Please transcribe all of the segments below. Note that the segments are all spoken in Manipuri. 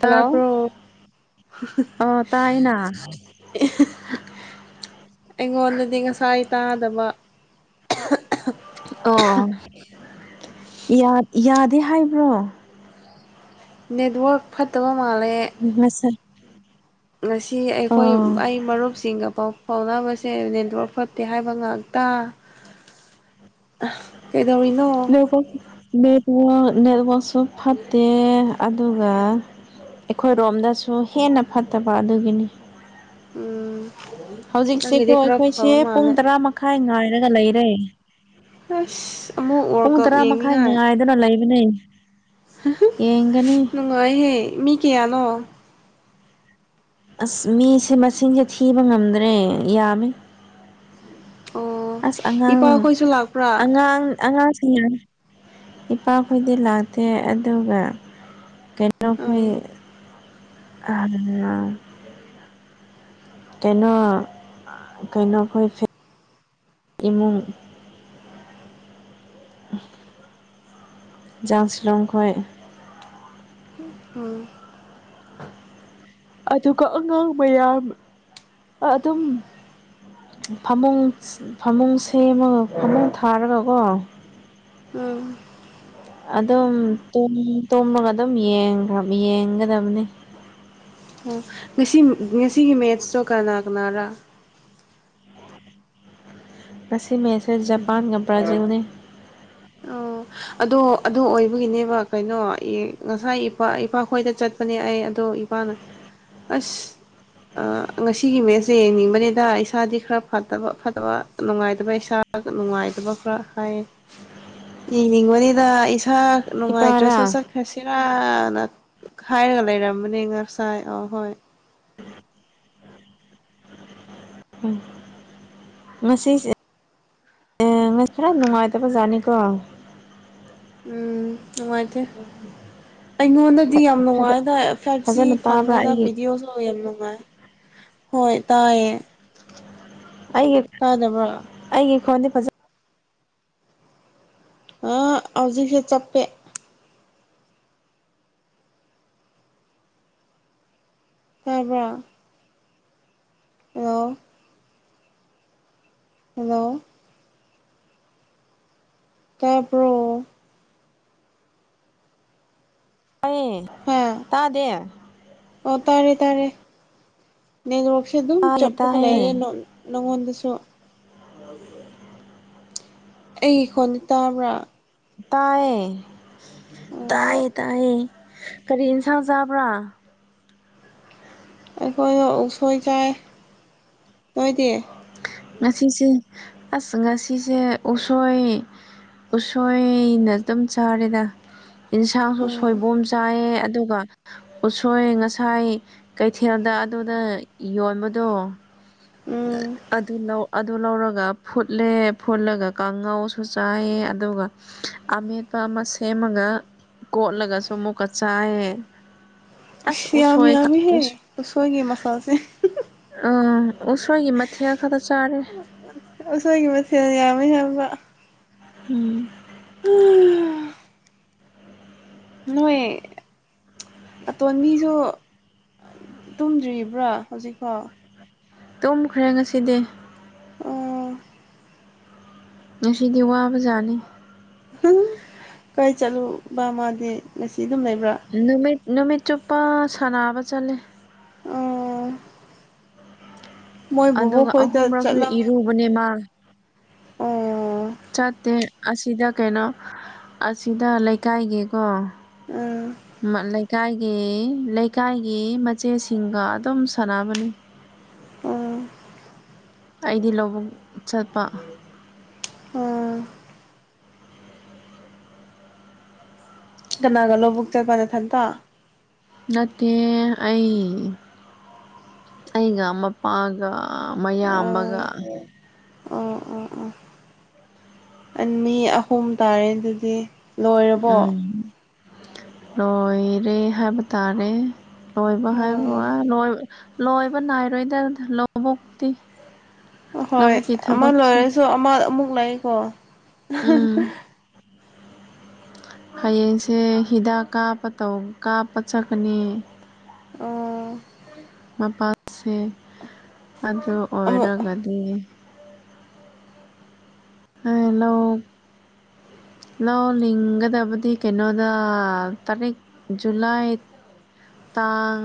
ꯍꯜꯂꯣ ꯇꯥꯄ ꯑꯣ ꯇꯥꯏꯅ ꯑꯩꯉꯣꯟꯗꯗꯤ ꯉꯁꯥꯏ ꯇꯥꯗꯕ ꯑꯣ ꯌꯥꯗꯦ ꯍꯥꯏꯕ꯭ꯔꯣ ꯅꯦꯠꯋꯔꯛ ꯐꯠꯇꯕ ꯃꯥꯜꯂꯦ [inaudible] ꯉꯁꯤ ꯑꯩꯈꯣꯏ ꯑꯣ ꯑꯩ ꯃꯔꯨꯞꯁꯤꯡꯒ ꯄꯥꯎ ꯍꯥꯎꯅꯕꯁꯦ ꯅꯦꯠꯋꯔꯥꯛ ꯐꯠꯇꯦ ꯍꯥꯏꯕ ꯉꯥꯛꯇ ꯀꯩꯗꯧꯔꯤꯅꯣ ꯅꯦꯠꯋꯥꯛꯁꯨ ꯐꯠꯇꯦ ꯑꯗꯨꯒ ꯑꯩꯈꯣꯏꯔꯣꯝꯗꯁꯨ ꯍꯦꯟꯅ ꯐꯠꯇꯕ ꯑꯗꯨꯒꯤꯅꯤ꯫ ꯎꯝ ꯍꯧꯖꯤꯛꯁꯤꯀꯣ ꯅꯪꯒꯤꯗꯤ ꯈꯔ ꯑꯩꯈꯣꯏꯁꯦ ꯐꯕ ꯄꯨꯡ ꯃꯥꯜꯂꯦ ꯇꯔꯥ ꯃꯈꯥꯏ ꯉꯥꯏꯔꯒ ꯂꯩꯔꯦ꯫ ꯑꯁ ꯑꯃꯨꯛ ꯋ꯭ꯔꯜ ꯀꯞ ꯌꯦꯡꯅꯤꯉꯥꯏ꯫ ꯑꯗꯨꯅ ꯂꯩꯕꯅꯦ ꯌꯦꯡꯒꯅꯤ꯫ ꯨꯅꯨꯉꯣꯏꯍꯦ ꯃꯤ ꯀꯌꯥꯌꯥꯅꯣ꯫ ꯑꯁ ꯃꯤꯁꯦ ꯃꯁꯤꯡꯁꯦ ꯊꯤꯕ ꯉꯝꯗ꯭ꯔꯦ ꯌꯥꯝꯃꯤ꯫ ꯑꯣ ꯑꯁ ꯑꯉꯥꯡ ꯏꯄꯥꯈꯣꯏꯁꯨ ꯂꯥꯛꯄ꯭ꯔꯥ ꯑꯉꯥꯡ ꯑꯉꯥꯡꯁꯤꯡꯅ [unintelligible] ꯏꯄꯥ ꯈꯨꯨꯉꯗꯤ ꯂꯥꯛꯇꯦ ꯑꯗꯨꯒ ꯀꯩꯅꯣ ꯐꯨꯏ ꯎꯝ [unintelligible] ꯀꯩꯅꯣ ꯑ ꯀꯩꯅꯣ [unintelligible] ꯏꯃꯨꯡ_ _ [unintelligible] ꯎꯝ ꯑꯗꯨꯒ ꯑꯉꯥꯡ ꯃꯌꯥꯝ ꯑꯗꯨꯝ ꯐꯃꯨꯡ ꯐꯃꯨꯡ ꯁꯦꯝꯃꯒ ꯐꯃꯨꯡ ꯊꯥꯔꯒ ꯀꯣ ꯎꯝ꯫ ꯑꯗꯨꯝ ꯇꯨꯝ ꯇꯣꯃꯒ ꯑꯗꯨꯝ ꯌꯦꯡꯒ꯭ꯔ ꯌꯦꯡꯒꯗꯕꯅꯦ꯫ ꯑꯣ ꯉꯁꯤ ꯉꯁꯤꯒꯤ ꯃꯦꯁ꯭ꯇꯇꯣ ꯀꯅꯥ ꯀꯅꯥꯔꯥ꯫ ꯉꯁꯤ ꯃꯦꯠꯁꯦ ꯖꯄꯥꯟꯒ ꯕ꯭ꯔꯥꯖꯤꯜꯅꯤ꯫ ꯑꯣ ꯑꯗꯣ ꯑꯗꯣ ꯑꯣꯏꯕꯒꯤꯅꯦꯕ ꯀꯩꯅꯣ ꯉꯁꯥꯏ ꯏꯄꯥ ꯏꯄꯥꯈꯣꯏꯗ ꯆꯠꯄꯅꯦ ꯑꯩ ꯑꯗꯣ ꯅꯨꯄꯅ ꯑꯁ ꯑ ꯉꯁꯤꯒꯤ ꯃꯦꯁꯁꯦ ꯌꯦꯡꯅꯤꯡꯕꯅꯤꯗ ꯏꯁꯥꯗꯤ ꯈꯔ ꯐꯠꯇꯕ ꯐꯠꯇꯕ ꯅꯨꯡꯉꯥꯏꯇꯕ ꯏꯁꯥ꯫ [unintelligible] ꯅꯨꯡꯉꯥꯏꯇꯕ ꯈꯔ ꯍꯥꯏꯌꯦ꯫ ꯎꯝ ꯏꯅꯤꯡꯕꯅꯤꯗ ꯏꯁꯥ ꯅꯨꯡꯉꯥꯏꯇ꯭ꯔꯁꯨ ꯏꯄꯥꯔꯥ ꯆꯠ ꯐꯦꯁꯤꯔꯥꯅ ꯈꯥꯏꯔꯒ ꯂꯩꯔꯝꯕꯅꯦ ꯉꯁꯥꯏ ꯑ ꯍꯣꯏ꯫ ꯎꯝ ꯉꯁꯤꯁꯦ ꯅꯨꯃꯤꯠ ꯈꯔꯥ ꯅꯨꯡꯉꯥꯏꯇꯕ ꯖꯥꯇꯅꯤꯀꯣ꯫ ꯎꯝ ꯅꯨꯉꯥꯏꯇ [inaudible] ꯑꯩꯉꯣꯟꯗꯗꯤ ꯌꯥꯝ ꯅꯨꯡꯉꯥꯏꯗ ꯐ꯭ꯔꯥꯐ ꯁꯤ ꯐꯖꯅ ꯇꯥꯕ꯭ꯔꯥ ꯐꯪꯉꯦꯗ ꯑꯩꯒꯤ ꯕꯤꯗꯤꯑꯣꯁꯨ ꯌꯥꯝ ꯅꯨꯡꯉꯥꯏ꯫ ꯍꯣꯏ ꯇꯥꯏꯌꯦ꯫ ꯑꯩꯒꯤ ꯇꯥꯗꯕ꯭ꯔꯣ ꯑꯩꯒꯤ ꯈꯣꯟꯗꯤ ꯐꯖ_ _ ꯑ ꯍꯧꯖꯤꯛꯁꯦ ꯆꯄꯄꯦ꯫ ꯇꯥꯕ꯭ꯔꯥ ꯍ꯭ꯂꯣ ꯍ꯭ꯂꯣ ꯇꯥꯕ꯭ꯔꯣ ꯇꯥꯌꯦ ꯍꯥ ꯇꯥꯗꯦ꯫ ꯑꯣ ꯇꯥꯔꯦ ꯇꯥꯔꯦ ꯅꯦꯒ꯭ꯔꯣꯛꯁꯦ ꯑꯗꯨꯝ ꯇꯥꯏꯌꯦ ꯆꯞꯄꯒ ꯂꯩꯔꯦ ꯇꯥꯏꯌꯦ ꯅꯣ ꯅꯉꯣꯟꯗꯁꯨ [inaudible] ꯑꯩꯒꯤ ꯈꯣꯟꯗꯤ ꯇꯥꯕ꯭ꯔꯥ꯫ ꯇꯥꯏꯌꯦ ꯎꯝ ꯇꯥꯏꯌꯦ ꯇꯥꯏꯌꯦ ꯀꯔꯤ ꯏꯟꯁꯥꯡ ꯆꯥꯕ꯭ꯔꯥ꯫ ꯑꯩꯈꯣꯏꯗꯤ ꯎꯛꯁꯣꯏ ꯆꯥꯏ ꯅꯣꯏꯗꯤ꯫ ꯉꯁꯤꯁꯦ ꯑꯁ ꯉꯁꯤꯁꯦ ꯎꯁꯣꯏ_ _ ꯎꯁꯣꯏꯅ ꯑꯗꯨꯝ ꯆꯥꯔꯦꯗ ꯏꯟꯁꯥꯡꯁꯨ ꯎꯝ ꯁꯣꯏꯕꯣꯝ ꯆꯥꯏꯌꯦ ꯑꯗꯨꯒ_ _ ꯎꯁꯣꯏ ꯉꯁꯥꯏ ꯀꯩꯊꯦꯜꯗ ꯑꯗꯨꯗ ꯌꯣꯟꯕꯗꯣ_ _ ꯎꯝ꯫ ꯑꯗꯨ ꯂꯧ ꯑꯗꯨ ꯂꯧꯔꯒ ꯐꯨꯠꯂꯦ ꯐꯨꯠꯂꯒ ꯀꯥꯡꯉꯧꯁꯨ ꯆꯥꯏꯌꯦ ꯑꯗꯨꯒ_ _ ꯑꯃꯦꯠꯄ ꯑꯃ ꯁꯦꯝꯃꯒ ꯀꯣꯠꯂꯒꯁꯨ ꯑꯃꯨꯛꯀ ꯆꯥꯏꯌꯦ꯫ ꯑꯁ ꯌꯥꯝ ꯎꯁꯣꯏꯒ ꯎꯁꯣꯏ ꯌꯥꯝꯃꯤꯍꯦ ꯎꯁꯣꯏꯒꯤ ꯃꯈꯜꯁꯦ ꯑ ꯎꯁꯣꯏꯒꯤ ꯃꯊꯦꯜ ꯈꯛꯇ ꯆꯥꯔꯦ ꯑꯁꯣꯏꯒꯤ ꯃꯊꯦꯜꯅ ꯌꯥꯝꯃꯦ ꯍꯥꯏꯕꯥ ꯎꯝ ꯍꯥ ꯅꯣꯏ ꯑꯇꯣꯟꯕꯤꯁꯨ ꯇꯨꯝꯗ꯭ꯔꯤꯕ꯭ꯔꯣ ꯍꯧꯖꯤꯛꯐꯥꯎ ꯇꯨꯝꯈ꯭ꯔꯦ ꯉꯁꯤꯗꯤ ꯑꯣ ꯉꯁꯤꯗꯤ ꯋꯥꯕꯖꯥꯠꯅꯤ ꯍꯨꯝ ꯀꯥꯏ ꯆꯠꯂꯨꯕ ꯃꯥꯗꯤ ꯉꯁꯤ ꯑꯗꯨꯝ ꯂꯩꯕ꯭ꯔꯥ ꯅꯨꯃꯤꯠ ꯅꯨꯃꯤꯠ ꯆꯨꯞꯄ ꯁꯥꯟꯅꯕ ꯆꯠꯂꯦ ꯑꯣ ꯃꯣꯏ ꯕꯣꯕꯣꯛꯈꯣꯏꯗ ꯆꯠꯂꯝꯃꯅꯤ ꯄꯨꯅꯤꯃꯥ ꯑꯣ ꯆꯠꯇꯦ ꯑꯁꯤꯗ ꯀꯩꯅꯣ ꯑꯁꯤꯗ ꯂꯩꯀꯥꯏꯒꯤꯀꯣ ꯎꯝ ꯂꯩꯀꯥꯏꯒꯤ ꯂꯩꯀꯥꯏꯒꯤ ꯃꯆꯦꯁꯤꯡꯒ ꯑꯗꯨꯝ ꯁꯥꯟꯅꯕꯅꯤ ꯎꯝ ꯑꯩꯗꯤ ꯂꯧꯕꯨꯛ ꯆꯠꯄ ꯎꯝ ꯀꯅꯥꯒ ꯂꯧꯕꯨꯛ ꯆꯠꯄ ꯅꯊꯟꯇ ꯅꯠꯇꯦ ꯑꯩ ꯑꯩꯒ ꯃꯄꯥꯒ ꯑꯣ ꯃꯌꯥꯝꯕꯒ ꯑꯣ ꯑꯣ ꯑꯣ ꯃꯤ ꯑꯍꯨꯝ ꯇꯥꯔꯦ ꯑꯗꯨꯗꯤ ꯂꯣꯏꯔꯕꯣ ꯎꯝ ꯂꯣꯏꯔꯦ ꯍꯥꯏꯕ ꯇꯥꯔꯦ ꯂꯣꯏꯕ ꯍꯥꯏꯕꯕꯨ ꯎꯝ ꯂꯣꯏ ꯂꯣꯏꯕ ꯅꯥꯏꯔꯣꯏꯗ ꯂꯧꯕꯣꯛꯛꯇꯤ ꯍꯣ ꯍꯣꯏ ꯑꯃ ꯂꯣꯏꯔꯁꯨ ꯑꯃ ꯑꯃꯨꯛ ꯂꯩꯀꯣ ꯎꯝ ꯍꯌꯦꯡꯁꯦ ꯍꯤꯗꯥꯛ ꯀꯥꯞꯄ ꯇꯧ ꯀꯥꯞꯄ ꯆꯠꯀꯅꯤ ꯑꯣ ꯃꯄꯥꯁꯦ ꯑꯗꯨ ꯑꯃꯨꯛ ꯑꯣꯏꯔꯒꯗꯤ ꯍꯂꯣ ꯂꯧ ꯂꯤꯡꯒꯗꯕꯗꯤ ꯀꯩꯅꯣꯗ ꯇꯔꯤꯛ ꯖꯨꯂꯥꯏ ꯇꯥꯡ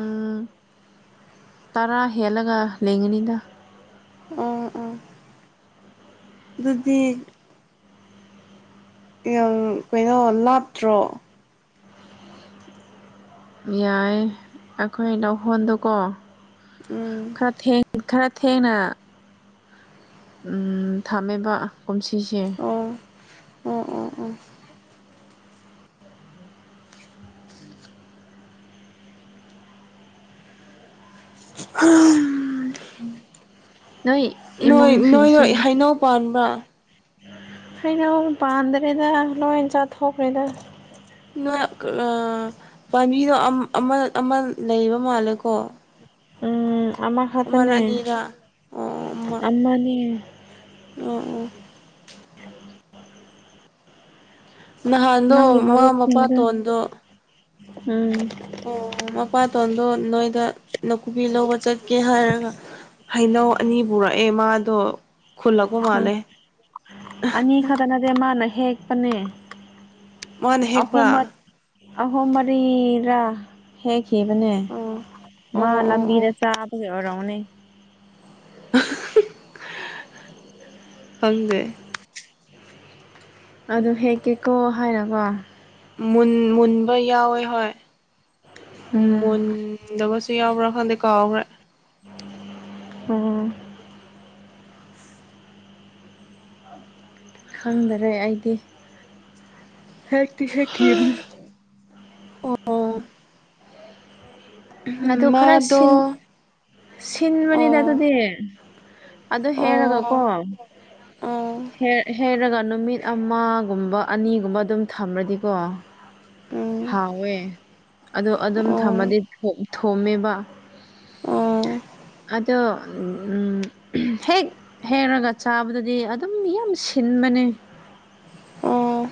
ꯇꯔꯥ ꯍꯦꯜꯂꯒ ꯂꯩꯒꯅꯤꯗ ꯎꯝ ꯎꯝ ꯑꯗꯨꯗꯤ ꯌꯥꯝ ꯀꯩꯅꯣ ꯂꯥꯞꯇ꯭ꯔꯣ ꯌꯥꯏ ꯑꯩꯈꯣꯏ ꯂꯧꯈꯣꯟꯗꯨꯀꯣ ꯎꯝ ꯈꯔ ꯊꯦꯡ ꯈꯔ ꯊꯦꯡꯅ ꯊꯝꯃꯦꯕ ꯀꯨꯝꯁꯤꯁꯦ ꯑꯣ ꯑꯣ ꯑꯣ ꯑꯣ ꯅꯣꯏ ꯅꯣꯏ ꯅꯣꯏ ꯏꯃꯨꯡꯁꯤꯡꯁꯦ ꯅꯣꯏ ꯍꯩꯅꯧ ꯄꯥꯟꯕ꯭ꯔꯥ ꯍꯩꯅꯧ ꯄꯥꯟꯗ꯭ꯔꯦꯗ ꯂꯣꯏ ꯆꯥꯊꯣꯛꯈ꯭ꯔꯦꯗ ꯅꯣꯏ ꯑ ꯄꯥꯝꯕꯤꯒꯥ ꯑꯃꯥ ꯑꯃ ꯂꯩꯕ ꯃꯥꯜꯂꯦꯀꯣ ꯎꯝ ꯑꯃꯥ ꯑꯃꯔ ꯈꯛꯇꯥꯅꯦ ꯑꯅꯤꯔ ꯑꯃꯅꯤ ꯎ ꯑꯣ ꯅꯍꯥꯟꯗꯣ ꯅꯪꯒꯤ ꯃꯥꯃꯥ ꯃꯔꯨꯞꯁꯤꯡꯗꯣ ꯃꯄꯥꯇꯣꯟꯗꯣ ꯎꯝ ꯑꯣ ꯃꯄꯥꯇꯣꯟꯗꯣ ꯅꯣꯏꯗ ꯅꯥꯀꯨꯞꯄꯤ ꯂꯧꯕ ꯆꯠꯀꯦ ꯍꯥꯏꯔꯒ ꯍꯩꯅꯧ ꯑꯅꯤ ꯄꯨꯔꯛꯑꯦ ꯃꯥꯗꯣ ꯈꯨꯜꯂꯛꯄ ꯎꯝ ꯃꯥꯜꯂꯦ ꯑꯅꯤ ꯈꯛꯇ ꯅꯠꯇꯦ ꯃꯥꯅ ꯍꯦꯛꯄꯅꯦ ꯃꯥꯅ ꯑꯍꯨꯝ ꯃꯥ ꯍꯦꯛꯄ꯭ꯔꯥ ꯑꯍꯨꯝ ꯃꯔꯤꯔꯥ ꯍꯦꯛꯈꯤꯕꯅꯦ ꯑꯣ ꯃꯥ ꯑꯣ ꯑꯣ ꯑꯣ ꯂꯝꯕꯤꯗ ꯆꯥꯕꯒꯤ ꯑꯣꯏꯔꯣꯅꯦ ꯍꯪꯗꯦ ꯑꯗꯨ ꯍꯦꯛꯀꯦꯀꯣ ꯍꯥꯏꯔꯀꯣ ꯟ ꯃꯨꯟꯕ ꯌꯥꯎꯋꯦ ꯎꯝ ꯍꯣꯏꯟ ꯑꯁ ꯌꯥꯝꯎꯕꯔ ꯈꯪꯗꯦ ꯀꯥꯕꯔ ꯎ ꯈꯪꯗꯔꯦ ꯑꯩꯗꯤ ꯍꯦꯛꯇꯤ ꯍꯦꯛꯈꯤꯕꯅꯤ ꯑꯣ ꯑꯗꯨ ꯈꯔ ꯁꯤꯟ ꯃꯥꯗꯣ ꯁꯤꯟꯕꯅꯤꯗ ꯑꯣ ꯑꯗꯨꯗꯤ ꯑꯗꯨꯗꯣ ꯍꯦꯔꯒ ꯀꯣ ꯑꯣ ꯑꯣ ꯍꯩꯔꯒ ꯅꯨꯃꯤꯠ ꯑꯃꯒꯨꯝꯕ ꯑꯅꯤꯒꯨꯝꯕ ꯑꯗꯨꯝ ꯊꯝꯃꯗꯤꯀꯣ ꯎꯝ ꯍꯥꯎꯋꯦ ꯑꯗꯣ ꯑꯗꯨꯝ ꯑꯣ ꯊꯝꯃꯗꯤ ꯊꯣꯝꯃꯦꯕ ꯑꯥ ꯑꯗꯣ ꯍꯦꯛ ꯍꯦꯛꯔꯒ ꯆꯥꯕꯗꯗꯤ ꯑꯗꯨꯝ ꯌꯥꯝ ꯁꯤꯟꯕꯅꯦ ꯑꯣ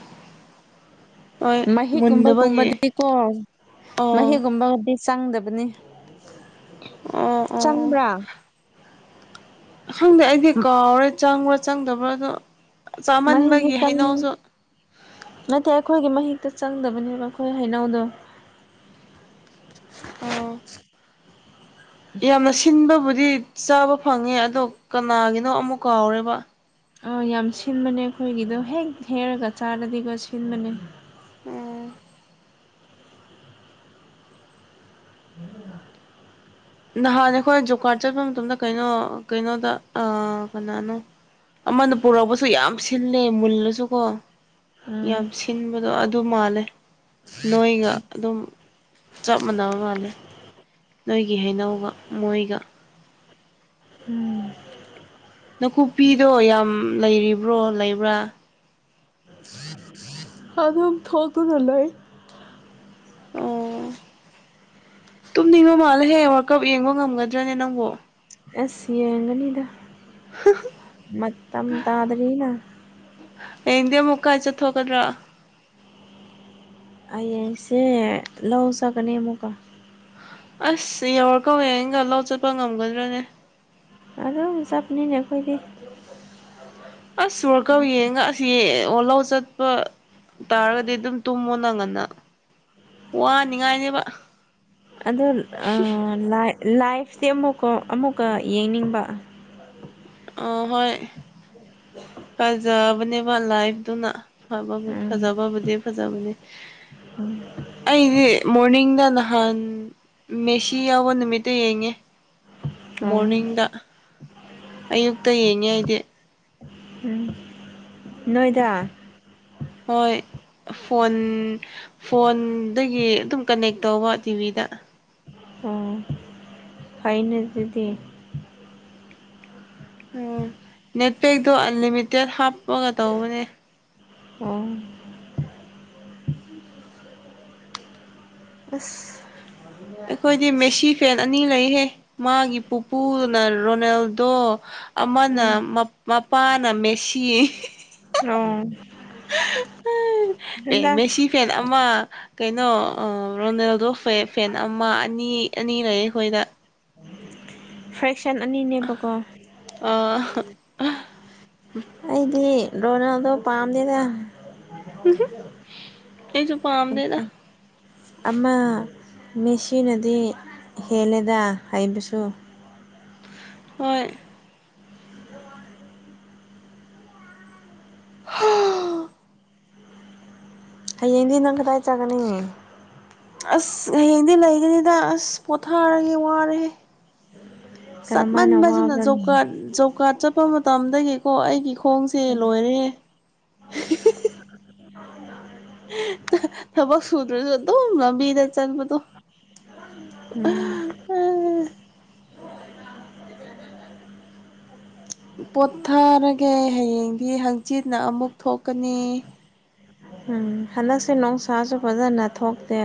ꯍꯣꯏ ꯃꯨꯟꯗꯕꯒꯤ ꯃꯍꯤꯛꯒꯨꯝꯕꯒꯨꯝꯕꯗꯤꯀꯣ ꯑꯣ ꯃꯍꯤꯒꯨꯝꯕꯗꯤ ꯆꯪꯗꯕꯅꯤ ꯑꯣ ꯑꯣ ꯆꯪꯕ꯭ꯔꯥ ꯈꯪꯗꯦ ꯑꯩꯗꯤ ꯀꯥꯎꯔꯦ ꯆꯪꯕ꯭ꯔꯥ ꯆꯪꯗꯕ꯭ꯔꯥꯗ ꯃꯍꯤꯒꯤ ꯆꯥꯃꯟꯕꯒꯤ ꯆꯪ ꯍꯩꯅꯧꯁꯨ ꯅꯠꯇꯦ ꯑꯩꯈꯣꯏꯒꯤ ꯃꯍꯤꯛꯇ ꯆꯪꯗꯕꯅꯦꯕ ꯑꯩꯈꯣꯏ ꯍꯩꯅꯧꯗꯣ ꯑꯥ ꯌꯥꯝꯅ ꯁꯤꯟꯕꯕꯨꯗꯤ ꯆꯥꯕ ꯐꯪꯉꯦ ꯑꯗꯣ ꯀꯅꯥꯒꯤꯅꯣ ꯑꯃꯨꯛ ꯀꯥꯎꯔꯦꯕ ꯑꯥ ꯌꯥꯝ ꯁꯤꯟꯕꯅꯦ ꯑꯩꯈꯣꯏꯒꯤꯗꯣ ꯍꯦꯛ ꯍꯦꯛꯔꯒ ꯆꯥꯔꯗꯤꯀꯣ ꯁꯤꯟꯕꯅꯦ ꯎꯝ ꯎꯝ ꯅꯍꯥꯟ ꯑꯩꯈꯣꯏ ꯖꯣꯕ ꯀꯥꯔꯠ ꯆꯠꯄ ꯃꯇꯝꯗ ꯀꯩꯅꯣ ꯀꯩꯅꯣꯗ ꯀꯅꯥꯅꯣ ꯑꯃꯅ ꯄꯨꯔꯛꯄꯁꯨ ꯌꯥꯝ ꯁꯤꯜꯂꯦ ꯃꯨꯜꯂꯁꯨꯀꯣ ꯎꯝ ꯌꯥꯝ ꯁꯤꯟꯕꯗꯣ ꯑꯗꯨ ꯃꯥꯜꯂꯦ ꯅꯣꯏꯒ ꯑꯗꯨꯝ ꯆꯞ ꯃꯥꯟꯅꯕ ꯃꯥꯜꯂꯦ ꯅꯣꯏꯒꯤ ꯍꯩꯅꯧꯒ ꯃꯣꯏꯒ ꯎꯝ ꯅꯥꯀꯨꯞꯄꯤꯗꯣ ꯌꯥꯝ ꯂꯩꯔꯤꯕ꯭ꯔꯣ ꯂꯩꯕ꯭ꯔꯥ ꯑꯗ ꯊꯒꯅꯂꯣ ꯑꯣ ꯇꯨꯝꯅꯤꯡꯕ ꯃꯥꯜꯂ ꯍꯦꯛ ꯋꯥꯔꯀꯞ ꯌꯦꯡꯕ ꯉꯝꯒꯗ꯭ꯔꯅꯦ ꯅꯪꯕꯨ ꯑꯁꯤ ꯌꯦꯡꯒꯅꯤꯗ [inaudible] ꯃꯝ ꯇ ꯑꯗꯨꯔꯤꯅ ꯍꯌꯦꯡꯗꯤ ꯑꯃꯨꯛꯀꯥꯏ ꯆꯠꯊꯣꯛꯀꯗ꯭ꯔꯥ ꯑꯩꯡꯁꯦ ꯂꯧꯖꯀꯅꯦ ꯑꯃꯨꯛꯀ ꯑꯁ ꯌꯧꯔꯛ ꯀꯧꯋꯦ ꯑꯩꯅꯒ ꯂꯧ ꯆꯠꯄ ꯉꯝꯒꯗ꯭ꯔꯅꯦ ꯑꯗ ꯁꯞꯅꯤꯅꯦꯈꯣꯏꯗꯤ ꯑꯁ ꯁꯜꯀ ꯌꯦꯡꯉ ꯁꯤ ꯑꯣꯂꯧ ꯆꯠꯄ ꯇꯥꯔꯒꯗꯤ ꯑꯗꯨꯝ ꯇꯨꯝꯃꯣ ꯅꯪꯉꯅ ꯋꯥꯅꯤꯡꯉꯥꯏꯅꯦꯕ ꯑꯗꯣ ꯂꯥꯏꯐꯇꯤ ꯑꯃꯨꯛꯀ ꯑꯃꯨꯛꯀ ꯌꯦꯡꯅꯤꯡꯕ ꯑ ꯍꯣꯏ ꯐꯖꯕꯅꯦꯕ ꯂꯥꯏꯚꯇꯅ ꯐꯗꯤ ꯎꯝ ꯐꯖꯕꯕꯨꯗꯤ ꯐꯖꯕꯅꯦ ꯎꯝ ꯑꯩꯗꯤ ꯃꯣꯔꯅꯤꯡꯗ ꯅꯍꯥꯟ ꯃꯦꯁꯤ ꯌꯥꯎꯕ ꯅꯨꯃꯤꯠꯇ ꯌꯦꯡꯉꯦ ꯑꯣ ꯃꯣꯔꯅꯤꯡꯅꯤꯡꯗ [unintelligible] ꯑꯌꯨꯛꯇ ꯌꯦꯡꯉ ꯑꯩꯗꯤ ꯎꯝ ꯅꯣꯏꯗ ꯍꯣꯏ ꯐꯣꯟ ꯐꯣꯟꯗꯒꯤ ꯑꯗꯨꯝ ꯀꯅꯦꯛ ꯇꯧꯕ ꯇꯤꯚꯤꯗ ꯑꯣ ꯐꯥꯏꯩꯅ ꯑꯗꯨꯗꯤ ꯎꯝ ꯅꯦꯠꯄꯦꯛꯇꯣ ꯑꯟꯂꯤꯃꯤꯇꯦꯠ ꯍꯥꯞꯄꯒ ꯇꯧꯕꯅꯦ ꯑꯣ ꯑꯁ ꯑꯩꯈꯣꯏꯗꯤ ꯃꯦꯁꯤ ꯐꯦꯟ ꯑꯅꯤ ꯂꯩꯍꯦ ꯃꯥꯒꯤ ꯄꯨꯄꯨꯗꯨꯅ ꯔꯣꯅꯦꯜꯗꯣ ꯑꯃꯅ ꯎꯝ ꯃꯄꯥꯅ ꯃꯦꯁꯤ ꯑꯣ ꯑꯦ ꯍꯟꯗꯛ ꯃꯦꯁꯤ ꯐꯦꯟ ꯑꯃ ꯀꯩꯅꯣ ꯔꯣꯅꯦꯜꯗꯣ ꯐ ꯐꯦꯟ ꯑꯃ ꯑꯅꯤ ꯑꯅꯤ ꯂꯩ ꯑꯩꯈꯣꯏꯗ ꯐ꯭ꯔꯦꯛꯁꯟ ꯑꯅꯤꯅꯦꯕꯀꯣ ꯑ ꯎꯝ ꯑꯩꯗꯤ ꯗꯣꯅꯣꯗꯣ ꯄꯥꯝꯗꯦꯗ ꯎ ꯍ ꯑꯩꯁꯨ ꯄꯥꯝꯗꯦꯗ ꯑꯣ ꯑꯃ ꯃꯁꯤꯦꯁꯤꯅꯗꯤ ꯍꯦꯜꯂꯦꯗ ꯍꯥꯏꯕꯁꯨ ꯍꯣꯏ ꯍꯥꯥ ꯍꯌꯦꯡꯗꯤ ꯅꯪ ꯀꯗꯥꯏ ꯆꯥꯒꯅꯤꯉ ꯑꯁ ꯍꯌꯦꯡꯗꯤ ꯂꯩꯒꯅꯤꯗ ꯑꯁ ꯄꯣꯊꯥꯔꯒꯦ ꯋꯥꯔꯦ ꯀꯔꯝꯃꯥꯏꯅ ꯆꯠꯃꯟꯕꯁꯤꯅ ꯖꯣꯕ ꯀꯥꯔ ꯋꯥꯕ꯭ꯔꯅꯤ ꯖꯣꯕ ꯀꯥꯔꯗ ꯆꯠꯄ ꯃꯇꯝꯗꯒꯤꯀꯣ ꯑꯩꯒꯤ ꯈꯣꯡꯁꯦ ꯂꯣꯏꯔꯦꯍꯦ ꯎꯝ [unintelligible] ꯊꯕꯛ ꯁꯨꯗꯔꯗꯨ ꯑꯗꯨꯕꯤꯔ ꯆꯕꯗꯨ ꯎꯝ ꯄꯣꯊꯥꯔꯒꯦ ꯍꯌꯦꯡꯗꯤ ꯍꯪꯆꯤꯠꯅ ꯑꯃꯨꯛ ꯊꯣꯛꯀꯅꯤ ꯎꯝ ꯍꯟꯗꯛꯁꯦ ꯅꯨꯡꯁꯥꯁꯨ ꯐꯖꯅ ꯊꯣꯛꯇꯦ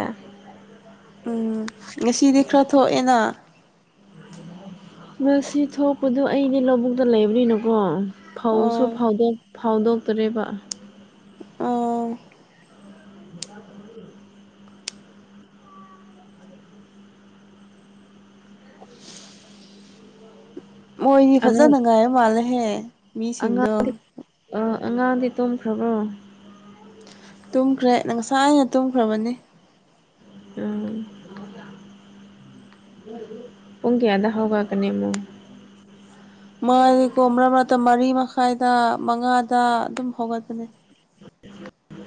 ꯎꯝ ꯉꯁꯤꯗꯤ ꯈꯔ ꯊꯣꯛꯑꯦꯅ ꯉ ꯊꯣꯛꯄꯗꯨ ꯑꯩꯗꯤ ꯂꯧꯕꯨꯛꯇ ꯂꯩꯕꯅꯤꯅꯀꯣ ꯐꯧꯁꯨ ꯑꯣ ꯐꯧꯗꯣꯛ ꯐꯥꯎꯗꯣꯛꯇꯔꯤꯕ ꯑꯥ ꯃꯣꯏꯅꯤ ꯑꯉꯥꯡ ꯐꯖꯅ ꯉꯥꯏꯕ ꯃꯥꯜꯂꯦꯍꯦ ꯃꯤꯁꯤꯡꯗꯣ ꯑ ꯑꯉꯥꯡꯗꯤ ꯇꯨꯝꯈ꯭ꯔꯕ꯭ꯔꯣ ꯇꯨꯝꯈ꯭ꯔꯦ ꯅ ꯉꯁꯥꯏ ꯑꯩꯅ ꯇꯨꯝꯈ꯭ꯔꯕꯅꯤ ꯎꯝ ꯎꯡꯀꯦ ꯑꯗ ꯍꯒꯀꯅꯤ ꯑꯃꯣ ꯃꯥ ꯀꯣ ꯃꯔꯛ ꯃꯔꯛꯇ ꯃꯔꯤ ꯃꯈꯥꯏꯗ ꯃꯉꯥꯗ ꯑꯗꯨꯝ ꯍꯧꯒꯠꯄꯅꯦ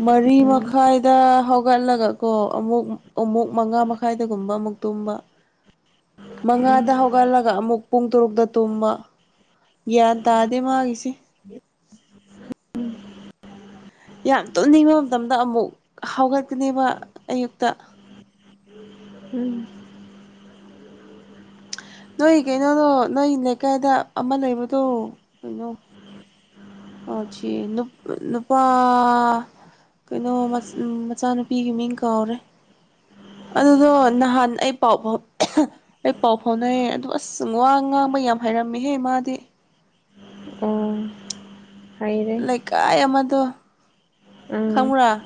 ꯃꯔꯤ ꯃꯈꯥꯏꯗ ꯍꯧꯒꯠꯂꯒ ꯀꯣ ꯑꯃꯨꯛ ꯑꯃꯨꯛ ꯃꯉꯥ ꯃꯈꯥꯏꯗꯒꯨꯝꯕ ꯑꯃꯨꯛ ꯇꯨꯝꯕ ꯎꯝ ꯃꯉꯥꯗ ꯍꯧ ꯍꯧꯒꯜꯂꯒ ꯑꯃꯨꯛ ꯄꯨꯡ ꯇꯔꯨꯛꯇ ꯇꯨꯝꯕ ꯒ꯭ꯌꯥꯟ ꯇꯥꯗꯦ ꯃꯥꯒꯤꯁꯦ ꯌꯥꯝ ꯇꯨꯝꯅꯤꯡꯕ ꯃꯇꯝꯗ ꯑꯃꯨꯛ ꯍꯧꯥꯎꯒꯠꯀꯅꯦꯕ ꯑꯌꯨꯛꯇ ꯎꯝ ꯅꯣꯏ ꯀꯩꯅꯣꯗꯣ ꯅꯣꯏ ꯂꯩꯀꯥꯏꯗ ꯑꯃ ꯂꯩꯕꯗꯣ ꯀꯩꯅꯣ ꯑꯣꯖꯤ ꯅꯨ ꯅꯨꯄꯥ ꯀꯩꯅꯣ ꯃꯆꯥꯅꯨꯄꯤꯒꯤ ꯃꯤꯡ ꯀꯥꯎꯔꯦ ꯑꯗꯨꯗꯣ ꯅꯍꯥꯟ ꯑꯩ ꯄꯥꯎ ꯐꯥꯎ ꯑꯩ ꯄꯥꯎ ꯐꯥꯎꯅꯩꯌꯦ ꯑꯗꯨ ꯑꯁ ꯋꯥ ꯉꯥꯡꯕ ꯌꯥꯝ ꯍꯥꯏꯩꯔꯝꯃꯤꯍꯦ ꯃꯥꯗꯤ ꯑꯣ ꯍꯥꯏꯔꯦ ꯏꯀꯥꯏ ꯑꯃꯗꯣ ꯈꯪꯕ꯭ꯔꯥ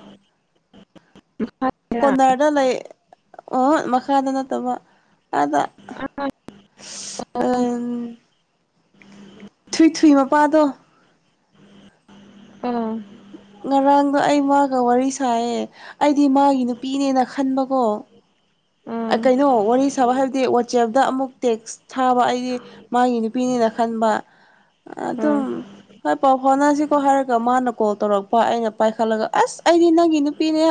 ꯎ ꯀꯣꯅꯔꯗ ꯂꯩ ꯑꯣ ꯃꯈꯥꯗ ꯅꯠꯇꯕ ꯑꯥꯗ ꯑꯣ ꯊ꯭ꯔꯤ ꯊ꯭ꯔꯤ ꯃꯄꯥꯗꯣ ꯑꯥ ꯉꯔꯥꯡꯗꯣ ꯑꯩ ꯃꯥꯒ ꯋꯥꯔꯤ ꯁꯥꯏꯌꯦ ꯑꯩꯗꯤ ꯃꯥꯒꯤ ꯅꯨꯄꯤꯅꯦꯅ ꯈꯟꯕꯀꯣ ꯑꯥ ꯀꯩꯅꯣ ꯋꯥꯔꯤ ꯁꯥꯕ ꯍꯥꯏꯕꯗꯤ ꯋꯥꯆꯦꯞꯇ ꯑꯃꯨꯛ ꯇꯦꯛꯁ ꯁꯥꯕ ꯑꯩꯗꯤ ꯃꯥꯒꯤ ꯅꯨꯄꯤꯅꯤꯅ ꯈꯟꯕ ꯑꯥ ꯑꯗꯨꯝ ꯍꯣꯏ ꯄꯥꯎ ꯍꯥꯎꯠꯅꯁꯤꯀꯣ ꯍꯥꯏꯔꯒ ꯃꯥꯅ ꯀꯣꯜ ꯇꯧꯔꯛꯄ ꯑꯩꯅ ꯄꯥꯏꯈꯠꯂꯒ ꯑꯁ ꯑꯩꯗꯤ ꯅꯪꯒꯤ ꯅꯨꯄꯤꯅꯦ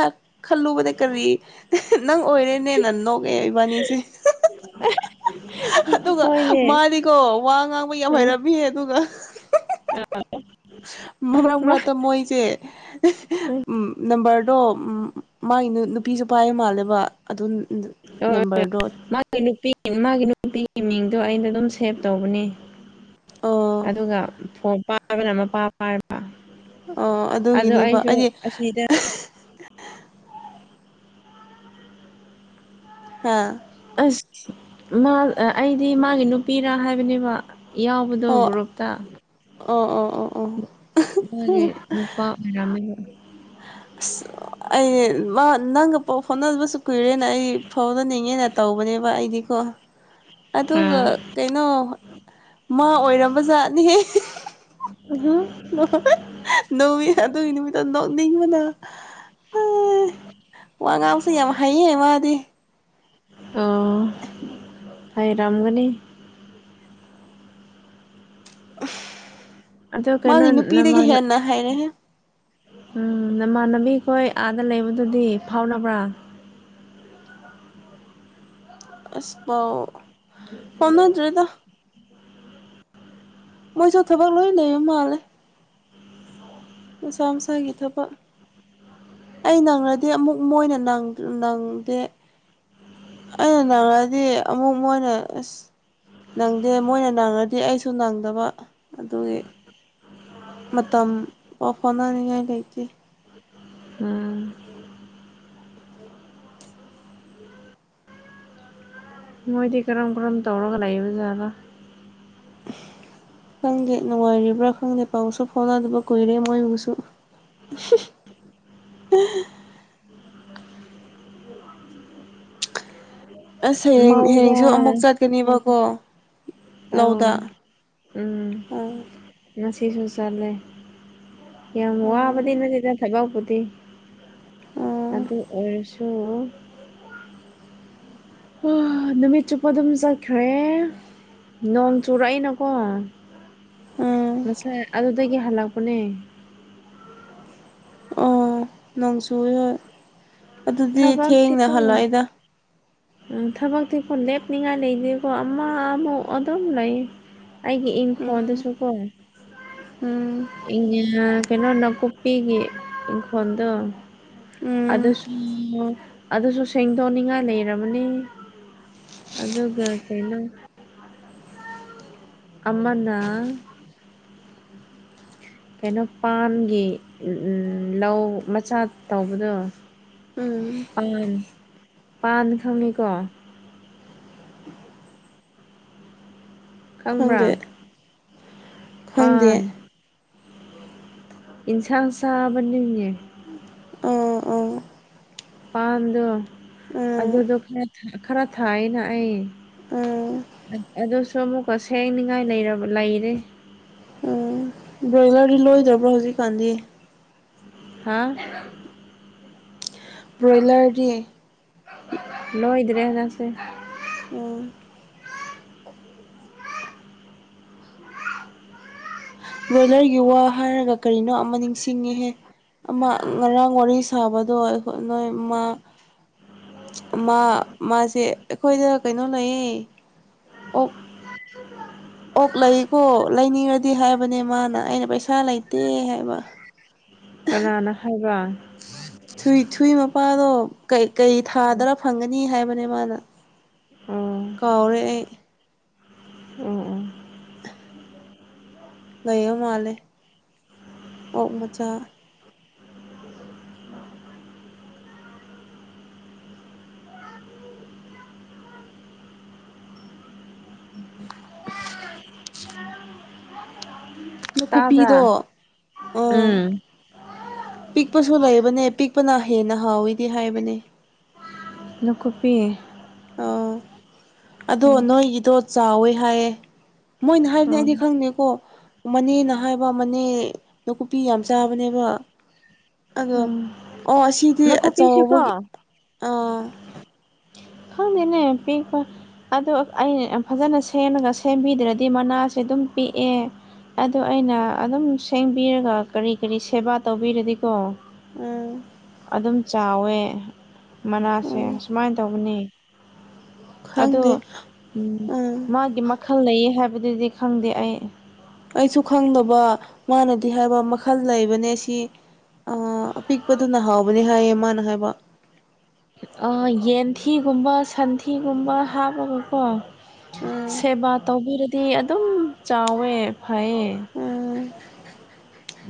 ꯈꯜꯂꯨꯕꯅꯦ ꯀꯔꯤ ꯅꯪ ꯑꯣꯏꯔꯅꯦ ꯅꯪ ꯅ ꯀꯩ ꯑꯣꯏꯕꯅꯤꯁꯤꯦ ꯑꯗꯨꯒ ꯍꯣꯏꯅꯦ ꯃꯥꯗꯤꯀꯣ ꯋꯥ ꯉꯥꯡꯕ ꯌꯥꯝ ꯎꯝ ꯍꯩꯔꯝꯃꯤ ꯑꯗꯨꯒ ꯃꯔꯛ ꯃꯥ ꯑꯥ ꯃꯔꯛꯇ ꯃꯣꯏꯁꯦ ꯃꯥꯒꯤ ꯅꯝꯕꯔꯗꯣ ꯃꯥꯒꯤ ꯅꯨꯄꯤꯁꯨ ꯄꯥꯏ ꯃꯥꯜꯂꯦꯕ ꯑꯗꯨ ꯍ ꯍꯣꯏ ꯅꯝꯕꯔꯗꯣ ꯃꯥꯒꯤ ꯅꯨꯄꯤ ꯃꯥꯒꯤ ꯅꯨꯄꯤꯒꯤ ꯃꯤꯡꯗꯣ ꯑꯩꯅ ꯑꯗꯨꯝ ꯁꯦꯚ ꯇꯧꯕꯅꯤ ꯑꯣ ꯑꯗꯨꯒ ꯐꯣ ꯄꯥꯕꯅ ꯑꯃ ꯄ ꯑꯣ ꯑꯗꯣ ꯑꯗꯨꯒꯤꯅꯦꯕ ꯑꯩꯁꯨ ꯑꯩꯗꯤ ꯑꯁꯤꯗ ꯍꯥꯥ ꯑꯁ ꯃꯥ ꯑꯩꯗꯤ ꯃꯥꯒꯤ ꯅꯨꯄꯤꯔꯥ ꯍꯥꯏꯕꯅꯦꯕ ꯌꯥꯎꯕꯗꯣ ꯑꯣ ꯒ꯭ꯔꯨꯞꯨꯞꯇ ꯑꯣ ꯑꯣ ꯑꯣ ꯑꯣ ꯃꯥꯒꯤꯦ ꯅꯨꯄꯥ ꯑꯔꯝ ꯑꯁ ꯑꯩ ꯅꯪ ꯄꯣꯛ ꯐꯣꯅ ꯑꯁꯨ ꯀꯨꯏꯔꯦꯅ ꯑꯩ ꯐꯥꯎꯗꯅꯤꯡꯉꯦꯅ ꯇꯧꯕꯅꯦꯕ ꯑꯩꯗꯤꯀꯣ ꯑꯗꯨꯒ ꯑꯥ ꯀꯩꯅꯣ ꯃꯥ ꯑꯣꯏꯔꯝꯕ ꯖꯥꯠꯅꯤꯍ ꯎꯝꯍꯝ ꯅꯣꯡ ꯑꯗꯨꯒꯤ ꯅꯨꯃꯤꯠꯇ ꯅꯣꯛꯅꯤꯡꯕꯅ ꯍ ꯋꯥ ꯉꯥꯡꯁꯨ ꯌꯥꯝ ꯍꯩꯌꯦ ꯃꯥꯗꯤ ꯑꯣ ꯍꯔꯝꯒꯅꯤ ꯑꯗꯣ ꯀꯩꯅꯣ ꯃꯥꯒꯤ ꯅꯨꯄꯤꯗꯒꯤ ꯅꯃꯥꯟꯅ ꯍꯦꯟꯅ ꯍꯥꯏꯔꯦꯍꯦ ꯎꯝ ꯅꯃꯥꯟꯅꯕꯤꯈꯣꯏ ꯑꯥꯗ ꯂꯩꯕꯗꯨꯗꯤ ꯐꯥꯎꯅꯕ꯭ꯔꯥ ꯑꯁ ꯥꯎ ꯐꯣꯟꯣꯟꯗ꯭ꯔꯗ ꯃꯣꯏꯁꯨ ꯊꯕꯛ ꯂꯣꯏꯅꯦ ꯃꯥꯜꯂꯦ ꯃꯁꯥ ꯃꯁꯥꯒꯤ ꯊꯕꯛ ꯑꯩ ꯅꯪꯔꯗꯤ ꯑꯃꯨꯛ ꯃꯣꯏꯅ ꯅꯪꯗꯦ ꯑꯩꯅ ꯅꯪꯉꯑꯗꯤ ꯑꯃꯨꯛ ꯃꯣꯏꯅ ꯑꯁ ꯅꯪꯗꯦ ꯃꯣꯏꯅ ꯅꯪꯉꯗꯤ ꯑꯩꯁꯨ ꯅꯪꯗꯕ ꯑꯗꯨꯒꯤ ꯃꯇꯝ ꯄꯥꯎ ꯍꯥꯎꯅꯅꯤꯡꯉꯥꯏ ꯂꯩꯇꯦ ꯎꯝ ꯃꯣꯏꯗꯤ ꯀꯔꯝ ꯀꯔꯝ ꯇꯧꯔꯒ ꯂꯩꯏꯕ ꯖꯥꯠꯕ ꯈꯪꯗꯦ ꯅꯨꯡꯉꯥꯏꯔꯤꯕ꯭ꯔꯥ ꯈꯪꯗꯦ ꯄꯥꯎꯁꯨ ꯐꯥꯎꯅꯗꯕ ꯀꯨꯏꯔꯦ ꯃꯣꯏꯕꯨꯁꯨ ꯑꯁ ꯍꯌꯦꯡ ꯃꯧꯒ ꯍꯌꯦꯡꯁꯨ ꯑꯃꯨꯛ ꯆꯠꯀꯅꯦꯕꯀꯣ ꯑꯥꯎ ꯎꯝ ꯎꯝ ꯉꯁꯤꯁꯨ ꯆꯠꯂꯦ ꯌꯥꯝ ꯋꯥꯕꯗꯤ ꯎꯝ ꯅꯗꯤꯗ ꯊꯕ ꯀꯗꯤꯤ ꯎꯝ ꯑꯗꯨ ꯑꯣꯏꯔꯁꯨ ꯑ ꯅꯨꯃꯤꯠ ꯆꯨꯞꯄ ꯑꯗꯨꯝ ꯆꯠꯈ꯭ꯔꯦ ꯅꯣꯡ ꯆꯨꯔꯛꯏꯅꯀꯣ ꯎꯝ ꯉꯁꯥꯏ ꯑꯗꯨꯗꯒꯤ ꯍꯜꯂꯛꯄꯅꯦ ꯑꯣ ꯅꯪꯁꯨ ꯍꯣꯏ ꯑꯗꯨꯗꯤ ꯊꯦꯡꯅ ꯊꯕꯛꯇꯤꯀꯣ ꯍꯜꯂꯛꯑꯣꯏꯗ ꯊꯕꯛꯇꯤꯀꯣ ꯂꯦꯞꯅꯤꯡꯉꯥꯏ ꯂꯩꯇꯦꯀꯣ ꯑꯃ ꯑꯃꯨꯛ ꯑꯗꯨꯝ ꯂꯩ ꯑꯩꯒꯤ ꯎꯝ ꯏꯪꯈꯣꯟꯜꯗꯨꯁꯨ ꯀꯣ ꯎꯝ ꯏ ꯀꯩꯅꯣ ꯅꯅꯥꯀꯨꯞꯄꯤꯒꯤ ꯏ ꯐꯣꯟꯗ ꯎꯝ ꯑꯗꯨꯁꯨ ꯑꯗꯨꯁꯨ ꯁꯦꯡꯗꯣꯛꯅꯤꯡꯉꯥꯏ ꯂꯩꯔꯕꯅꯤ ꯑꯗ ꯔꯇꯦꯅ ꯑꯃꯅ ꯀꯩꯅꯣ ꯄꯥꯟꯒꯤ ꯂꯧ ꯃꯆꯥ ꯇꯧꯕꯗꯣ ꯎꯝ ꯄꯥꯟ ꯄꯥꯟ ꯈꯪꯉꯤꯀꯣ ꯈꯪꯕ꯭ꯔꯥ ꯈꯪꯗꯦ ꯄꯥꯟ ꯈꯪꯗꯦ ꯏꯟꯁꯥꯡ ꯆꯕ ꯅꯅꯤ ꯑꯥ ꯑꯥ ꯃꯄꯥꯟꯗꯣ ꯎꯝ ꯑꯗꯨꯗꯣ ꯈꯔ ꯈꯔ ꯊꯥꯏꯅ ꯑꯩ ꯎꯝ ꯑꯗꯨꯁꯨ ꯑꯃꯨꯛꯀ ꯁꯦꯡꯅꯤꯡꯉꯥꯏꯔꯕ ꯂꯩꯔꯦ ꯎꯝ ꯕ꯭ꯔꯣꯏꯂꯔꯗꯤ ꯂꯣꯏꯗꯕ꯭ꯔꯣ ꯍꯧꯖꯤꯛꯀꯥꯟꯗꯤ ꯍꯥꯥ ꯕ꯭ꯔꯣꯏꯂꯔꯗꯤ ꯂꯣ ꯏꯗꯔꯦꯖꯥꯁꯦ ꯑꯣ ꯕ꯭ꯔꯣꯏꯂꯔꯒꯤ ꯋꯥ ꯍꯥꯏꯔꯒ ꯀꯔꯤꯅꯣ ꯑꯃ ꯅꯤꯡꯁꯤꯡꯉꯤꯍꯦ ꯑꯃ ꯉꯔꯥꯡ ꯋꯥꯔꯤ ꯁꯥꯕꯗꯣꯈ ꯅꯣꯏ ꯃꯥ ꯃꯥ ꯃꯥꯁꯦ ꯑꯩꯈꯣꯏꯗ ꯀꯩꯅꯣ ꯂꯩꯌꯦ ꯑꯣꯛ ꯑꯣꯛ ꯂꯩꯀꯣ ꯂꯩꯅꯤꯡꯔꯗꯤ ꯍꯥꯏꯕꯅꯦ ꯃꯥꯅ ꯑꯩꯅ ꯄꯩꯁꯥ ꯂꯩꯇꯦ ꯍꯥꯏꯕ ꯀꯅꯥꯅ ꯍꯥꯏꯕ ꯊꯨꯏ ꯊꯨꯏ ꯃꯄꯥꯗꯣ ꯀꯩ ꯊꯥꯗꯔ ꯐꯪꯒꯅꯤ ꯍꯥꯏꯕꯅꯦ ꯃꯥꯅ ꯎꯝ ꯀꯥꯎꯔꯦ ꯑꯩ ꯎꯝ ꯎꯝ ꯂꯩꯕ ꯃꯥꯜꯂꯦ ꯑꯣꯛ ꯃꯆꯥ [unintelligible] ꯅꯥꯀꯨꯞꯄꯤꯗꯣ ꯇꯥꯕ꯭ꯔꯥ ꯑꯥ ꯎꯝ ꯄꯤꯛꯄꯁꯨ ꯂꯩꯕꯅꯦ ꯄꯤꯛꯄꯅ ꯍꯦꯟꯅ ꯍꯥꯎꯋꯤꯗꯤ ꯍꯥꯏꯕꯅꯦ ꯂ ꯀꯨꯞꯄꯤ ꯑꯥ ꯑꯗꯣ ꯎꯝ ꯅꯣꯏꯒꯤꯗꯣ ꯆꯥꯎꯋꯦ ꯍꯥꯏꯌꯦ ꯃꯣꯏꯅ ꯍꯥꯏꯕꯅꯤ ꯎꯝ ꯑꯩꯗꯤ ꯈꯪꯗꯦꯀꯣ ꯃꯅꯦꯅ ꯍꯥꯏꯕ ꯃꯅꯦ ꯀꯨꯞꯄꯤ ꯌꯥꯝ ꯆꯥꯕꯅꯦꯕ ꯑꯗꯣ ꯎꯝ ꯑꯣ ꯑꯁꯤꯗꯤ ꯅꯥꯀꯨꯞꯄꯤꯁꯤꯀꯣ ꯑꯆꯧꯕꯒꯤ ꯑꯥ [inaudible] ꯑꯗꯣ ꯑꯩꯅ ꯌꯥꯝ ꯐꯖꯅ ꯁꯦꯝꯃꯒ ꯁꯦꯝꯕꯤꯗ꯭ꯔꯗꯤ ꯃꯅꯥꯁꯦ ꯑꯗꯨꯝ ꯄꯤꯛꯑꯦ ꯑꯗꯣ ꯑꯩꯅ ꯑꯗꯨꯝ ꯁꯦꯡꯕꯤꯔꯒ ꯀꯔꯤ ꯀꯔꯤ ꯁꯦꯕꯥ ꯇꯧꯕꯤꯔꯗꯤꯀꯣ ꯎꯝ ꯑꯗꯨꯝ ꯆꯥꯎꯋꯦ ꯃꯅꯥꯁꯦ ꯎꯝ ꯁꯁꯨꯃꯥꯏꯅ ꯇꯧꯕꯅꯤ ꯑꯗꯣ ꯈꯪꯗꯦ ꯎꯝ ꯃꯥꯒꯤ ꯃ ꯈꯜ ꯂꯩꯌꯦ ꯍꯥꯏꯕꯗꯨꯗꯤ ꯈꯪꯗꯦ ꯑꯩ ꯑꯩꯁꯨ ꯈꯪꯗꯕ ꯃꯥꯅꯗꯤ ꯍꯥꯏꯕ ꯃꯈꯜ ꯂꯩꯕꯅꯦ ꯁꯤ ꯑ ꯑꯄꯤꯛꯄꯗꯨꯅꯍꯥꯎꯕꯅꯦ ꯍꯥꯏꯌꯦ ꯃꯥꯅ ꯍꯥꯏꯕ ꯑꯥ ꯌꯦꯟꯊꯤꯒꯨꯝꯕ ꯁꯟꯊꯤꯒꯨꯝꯕ ꯍꯥꯞꯄꯒꯀꯣ ꯎꯝ ꯁꯦꯕꯥ ꯇꯧꯕꯤꯔꯗꯤ ꯑꯗꯨꯝ ꯆꯥꯎꯋꯦ ꯐꯩꯌꯦ ꯎꯝ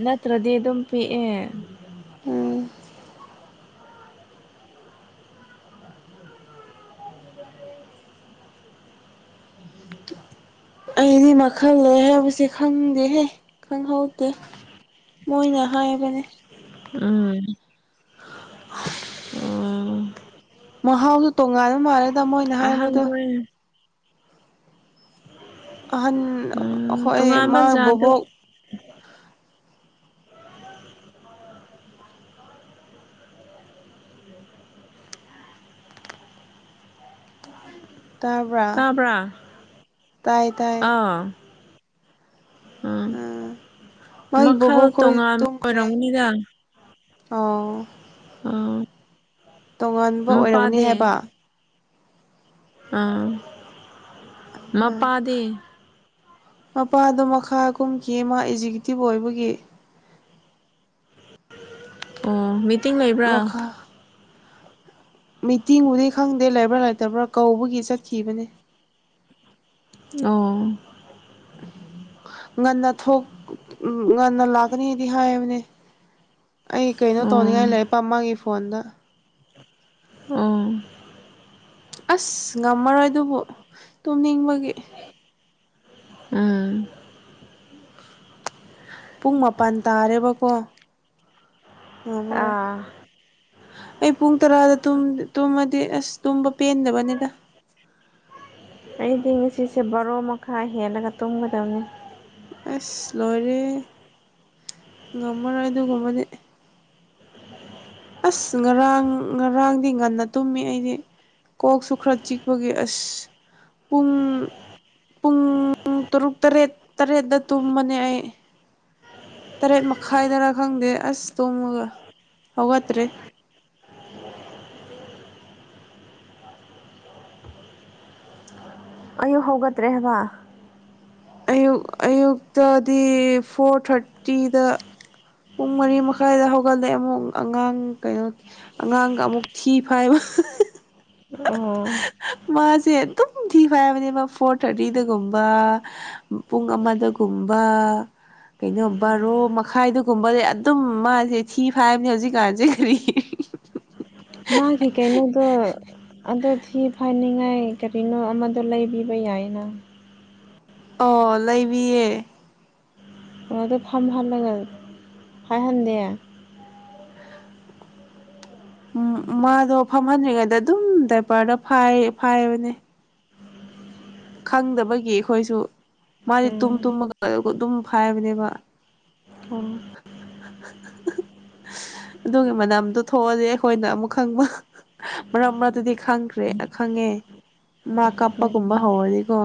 ꯅꯠꯇ꯭ꯔꯗꯤ ꯑꯗꯨꯝ ꯄꯤꯛꯑꯦ ꯎꯝ ꯑꯩꯗꯤ ꯃꯈꯜ ꯂꯩ ꯍꯥꯏꯕꯁꯦ ꯈꯪꯗꯦꯍꯦ ꯈꯪꯍꯧꯗꯦ ꯃꯣꯏꯅ ꯍꯥꯏꯕꯅ‌ꯦ ꯎꯝ ꯎꯝ ꯃꯍꯥꯎꯁꯨ ꯇꯣꯡꯉꯥꯟꯕ ꯃꯥꯜꯂꯦꯗ ꯃꯣꯏꯅ ꯍꯥꯏꯕꯗꯨ ꯑꯍꯟꯈꯣꯏ ꯑꯍꯥꯟ ꯎꯝ ꯑꯈꫭꯏ ꯇꯣꯉꯥꯟꯕ ꯃꯥꯥ ꯖꯥꯠꯇꯣ ꯕꯨꯕꯣꯛ ꯇꯥꯕ꯭ꯔꯥ ꯇꯥꯏ ꯇꯥꯏ ꯑꯥ [unintelligible] ꯎꯝ ꯃꯥꯒꯤ ꯃꯈꯜ ꯕꯣꯕꯣꯛ ꯈꯣꯏ ꯇꯣꯉꯥꯟꯕ ꯇꯨꯝꯈ꯭ꯔꯦ ꯑꯣꯏꯔꯝꯒꯅꯤꯗ ꯑꯣ ꯑꯥ ꯇꯣꯉꯥꯟꯕ ꯑꯣꯏꯔꯝꯒꯅꯤ ꯃꯄꯥꯗꯤ ꯍꯥꯏꯕ ꯑꯥ ꯎꯝ ꯃꯄꯥꯗꯤ ꯃꯄꯥꯗꯣ ꯃꯈꯥ ꯀꯨꯝꯈꯤꯌ‌ꯦ ꯃꯥ ꯑꯦꯛꯖꯤꯀ꯭ꯌꯨꯇꯤꯕ ꯑꯣꯏꯕꯒꯤ ꯑꯣ ꯃꯤꯇꯤꯡ ꯂꯩꯕ꯭ꯔꯥ ꯃꯈꯥ ꯃꯤꯇꯤꯡꯕꯨꯗꯤ ꯈꯪꯗꯦ ꯂꯩꯕ꯭ꯔꯥ ꯂꯩꯇꯕ꯭ꯔꯥ ꯀꯧꯕꯒꯤ ꯆꯠꯈꯤꯕꯅꯦ ꯑꯣ ꯎꯝ [unintelligible] ꯉꯟꯅꯥ ꯊꯣꯛ ꯎꯝ ꯉꯟꯅꯥ ꯂꯥꯛꯒꯅꯤꯗꯤ ꯍꯥꯌꯦꯅꯦ ꯑꯩ ꯀꯩꯅꯣ ꯑꯣ ꯇꯧꯅꯤꯡꯉꯥꯏ ꯂꯩꯔꯛꯄ ꯃꯥꯒꯤ ꯐꯣꯟꯗ ꯎꯝ ꯑꯁ ꯉꯝꯃꯔꯣꯏ ꯑꯗꯨꯕꯨ ꯇꯨꯝꯅꯤꯡꯕꯒꯤ ꯎꯝ ꯄꯨꯡ ꯃꯥꯄꯜ ꯇꯥꯔꯦꯕꯀꯣ ꯉꯝꯃꯔꯣꯏ ꯑꯥ ꯑꯩ ꯄꯨꯡ ꯇꯔꯥꯗ ꯇꯨꯝꯃꯗꯤ ꯑꯁ ꯇꯨꯝꯕ ꯄꯦꯟꯗꯕꯅꯤꯗ ꯑꯩꯗꯤ ꯉꯁꯤꯁꯦ ꯕꯥꯔꯣ ꯃꯈꯥꯏ ꯍꯦꯜꯂꯒ ꯇꯨꯝꯒꯗꯕꯅꯤ ꯑꯁ ꯂꯣꯏꯔꯦ ꯉꯝꯃꯔꯣꯏ ꯑꯗꯨꯒꯨꯝꯕꯗꯤ ꯑꯁ ꯉꯔꯥꯡ ꯉꯔꯥꯡꯗꯤ ꯉꯟꯅ ꯇꯨꯝꯃꯤ ꯑꯩꯗꯤ ꯀꯣꯛꯁꯨ ꯈꯔ ꯆꯤꯛꯄꯒꯤ ꯑꯁ ꯄꯨꯡ ꯄꯨꯡ ꯇꯔꯨꯛ ꯇꯔꯦꯠ ꯇꯔꯦꯠꯇ ꯇꯨꯝꯕꯅꯦ ꯑꯩ ꯇꯔꯦꯠ ꯃꯈꯥꯏꯗꯔ ꯈꯪꯗꯦ ꯑꯁ ꯇꯨꯝꯃꯒ ꯍꯧꯒꯠꯇ꯭ꯔꯦ ꯑꯌꯨꯛ ꯍꯧꯒꯠꯇ꯭ꯔꯦ ꯍꯥꯏꯕ ꯑꯌꯨꯛ ꯑꯌꯨꯛꯇꯗꯤ ꯐꯣꯔ ꯊꯥꯔꯇꯤꯗ ꯄꯨꯡ ꯃꯔꯤ ꯃꯈꯥꯏꯗ ꯍꯧꯒꯠꯂꯦ ꯑꯃꯨꯛ ꯑꯉꯥꯡ ꯀꯩꯅꯣ ꯑꯉꯥꯡꯒ ꯑꯃꯨꯛ ꯊꯤ ꯐꯥꯏꯕ ꯑꯣ ꯃꯥꯁꯦ ꯑꯗꯨꯝ ꯊꯤ ꯐꯥꯏꯕꯅꯦꯕ ꯐꯣꯔ ꯊꯥꯔꯇꯤꯗꯒꯨꯝꯕ ꯄꯨꯡ ꯑꯃꯗꯒꯨꯝꯕ ꯀꯩꯅꯣ ꯕꯥꯔꯣ ꯃꯈꯥꯏꯗ [unintelligible] ꯑꯗꯨꯝ ꯃꯥꯁꯦ ꯊꯤ ꯐꯥꯏꯕꯅꯦ ꯍꯧꯖꯤꯛꯀꯥꯟꯁꯦ ꯀꯔꯤꯒꯤ ꯃꯥꯒꯤ ꯀꯩꯅꯣꯗꫭ ꯑꯗꯨ ꯊꯤ ꯐꯥꯏꯅꯤꯡꯉꯥꯏ ꯀꯔꯤꯅꯣ ꯑꯃꯗꯣ ꯂꯩꯕꯤꯕ ꯌꯥꯏꯅ ꯑꯣ ꯂꯩꯕꯤꯌꯦ ꯉꯗꯣ [unintelligible] ꯐꯝꯍꯜꯂꯒ ꯐꯥꯏꯍꯟꯗꯦ ꯎꯝ ꯃꯥꯗꯣ ꯐꯝꯍꯟꯗ꯭ꯔꯤꯉꯩꯗ ꯑꯗꯨꯝ ꯗꯏꯚꯔꯗ ꯐꯥꯏ ꯐꯥꯏꯕꯅꯦ ꯈꯪꯗꯕꯒꯤ ꯑꯩꯈꯣꯏꯁꯨ ꯃꯥꯗꯤ ꯇꯨꯝ ꯎꯝ ꯇꯨꯝꯃꯒ ꯑꯗꯨꯝ ꯐꯥꯏꯕꯅꯦꯕ ꯎꯝ ꯑꯗꯨꯒꯤ ꯃꯅꯝꯗꯣ ꯊꯣꯛꯑꯗꯤ ꯑꯩꯈꯣꯏꯅ ꯑꯃꯨꯛ ꯈꯪꯕ ꯃꯔꯛ ꯃꯔꯛ ꯇꯗꯤ ꯈꯪꯈ꯭ꯔꯦ ꯈꯪꯉꯦ ꯃꯥ ꯀꯥꯞꯄꯒꯨꯝꯕ ꯍꯧꯔꯅꯤꯀꯣ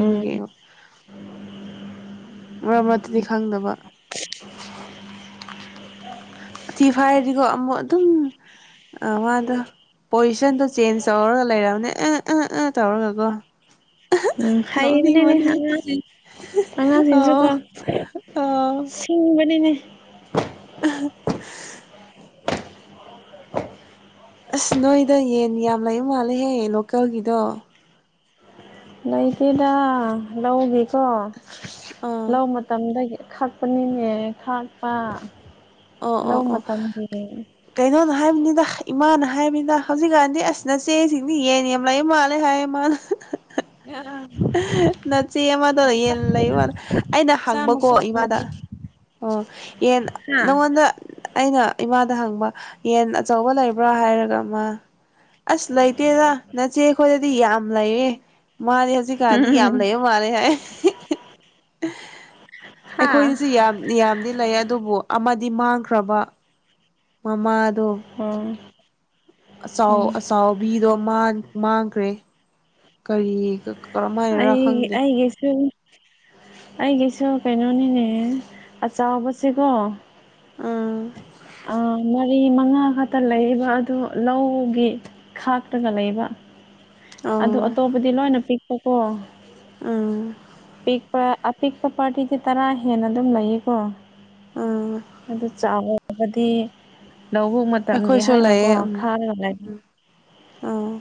[unintelligible] ꯑꯣ ꯃꯇꯨꯗꯤ ꯈꯪꯗꯕ [unintelligible] ꯐꯥꯏꯔꯗꯤꯀꯣ ꯑꯃꯨꯛ ꯑꯗꯨꯝ ꯑꯥ ꯋꯥꯗꯣ ꯄꯣꯖꯤꯁꯟꯗꯣ ꯆꯦꯟꯖ ꯇꯧꯔꯒ ꯂꯩꯔꯝꯅꯦ ꯑ ꯑ ꯑ ꯇꯧꯔꯒꯀꯣ ꯎꯝ ꯍꯥꯏꯕꯅꯦꯅꯦ ꯅꯣꯛꯅꯤꯡꯕꯅꯦ ꯑꯉꯥꯡꯁꯤꯡ ꯑꯉꯥꯡꯁꯤꯡꯁꯨ ꯀꯣ ꯑꯣ ꯁꯤꯡꯕꯅꯤꯅꯦ ꯑꯍꯥ ꯑꯁ ꯅꯣꯏꯗ ꯌꯦꯟ ꯌꯥꯝ ꯂꯩ ꯃꯥꯜꯂꯦꯍꯦ ꯂꯣꯀꯦꯜꯒꯤꯗꯣ ꯂꯩꯇꯦꯗ ꯂꯧꯒꯤꯀꯣ ꯑꯥ ꯂꯧ ꯃꯇꯝꯗꯒꯤ ꯈꯛ ꯄꯅꯤꯅꯦ ꯈꯥꯛꯄ ꯑꯣ ꯑꯣ ꯂꯧ ꯑꯣ ꯃꯇꯝꯒꯤ ꯀꯩꯅꯣꯅ ꯍꯥꯏꯕꯅꯤꯗ ꯏꯃꯥꯅ ꯍꯥꯏꯕꯟꯗ ꯍꯧꯖꯤꯛꯀꯥꯟꯗꯤ ꯑꯁ ꯅꯆꯦꯁꯤꯡꯗꯤ ꯌꯦꯟ ꯌꯥꯝ ꯂꯩꯑꯥ ꯃꯥꯜꯂꯦ ꯍꯥꯏ ꯃꯅꯥ [unintelligible] ꯅꯆꯦ ꯑꯃꯗꯣ ꯌꯦꯟ ꯃꯆꯥ ꯂꯩꯕꯃꯥ ꯑꯩꯅ ꯍꯪꯕꯀꯣ ꯃꯆꯥ ꯃꯆꯥ ꯏꯃꯥꯗ ꯑꯣꯏꯔꯤ ꯑꯣ ꯌꯦꯟ ꯍꯥ ꯅꯪꯉꯣꯟꯗ ꯑꯩꯅ ꯏꯃꯥꯗ ꯍꯪꯕ ꯌꯦꯟ ꯑꯆꯧꯕ ꯂꯩꯕ꯭ꯔꯥ ꯍꯥꯏꯔꯒ ꯑꯃ ꯑꯁ ꯂꯩꯇꯦꯗ ꯅꯆꯦ ꯑꯩꯈꯣꯏꯗꯗꯤ ꯌꯥꯝ ꯂꯩꯌꯦ ꯃꯥꯗꯤ ꯍꯧꯖꯤꯛ ꯑꯗꯤ ꯌꯥꯝ ꯎꯝ ꯂꯩꯕ ꯃꯥꯂꯦ ꯍꯥꯏ [unintelligible] ꯍꯥ ꯑꯩꯈꯣꯏꯗꯁꯨ ꯌꯥꯝ ꯌꯥꯝꯗꯤ ꯂꯩ ꯑꯗꯨꯕꯨ ꯑꯃꯗꯤ ꯃꯥꯡꯈ꯭ꯔꯕ ꯃꯃꯥꯗꯣ ꯑꯣ ꯑꯆꯥꯎ ꯎꯝ ꯑꯆꯥꯎꯕꯤꯗꯣ ꯃꯥꯟ ꯃꯥꯡꯈ꯭ꯔꯦ ꯀꯔꯤ ꯀꯔꯝꯃꯥꯏꯔ ꯈꯪꯗꯦ [unintelligible] ꯑꯩꯒꯤꯁꯨ ꯀꯩꯅꯣꯅꯤꯅꯦ ꯑ ꯆꯥꯎꯕꯁꯦꯀꯣ ꯎꯝ ꯑꯥ ꯃꯔꯤ ꯃꯉꯥ ꯈꯛꯇ ꯂꯩꯌꯦꯕ ꯑꯗꯨ ꯂꯧꯒꯤ ꯈꯥꯛꯇꯒ ꯂꯩꯕ ꯑꯗꯨ ꯑꯣ ꯑꯇꯣꯞꯄꯗꯤ ꯂꯣꯏꯅ ꯄꯤꯛꯄꯀꯣ ꯑꯥ ꯄꯤꯛꯄ ꯑꯄꯤꯛꯄ ꯄꯥꯔꯇꯤꯗꯤ ꯇꯔꯥ ꯍꯦꯟꯅ ꯑꯗꯨꯝ ꯂꯩꯌꯦꯀꯣ ꯎꯝ ꯑꯗꯨ ꯆꯥꯎ ꯕꯗꯤ ꯂꯧꯕꯨꯛ ꯃꯠ ꯇꯝꯒꯦ ꯑꯩꯈꯣꯏꯁꯨ ꯍꯥꯏꯅꯀꯣ ꯈꯥꯛꯑꯒ ꯂꯩ ꯑꯧ